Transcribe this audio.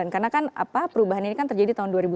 karena kan apa perubahan ini kan terjadi tahun dua ribu satu